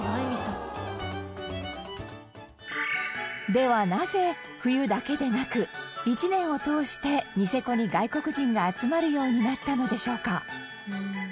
では、なぜ、冬だけでなく１年を通してニセコに外国人が集まるようになったのでしょうか？